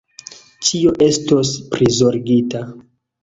Ĉio estos prizorgita.